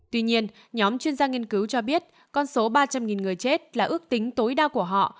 tuy nhiên nhóm chuyên gia nghiên cứu cho biết con số ba trăm linh người chết là ước tính tối đa của họ